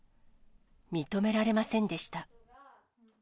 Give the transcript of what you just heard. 認められませんでした。